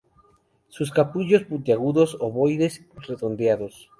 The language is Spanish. Sus capullos puntiagudos, ovoides, redondeados.